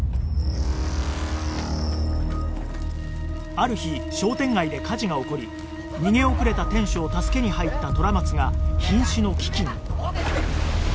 ある日商店街で火事が起こり逃げ遅れた店主を助けに入った虎松が瀕死の危機に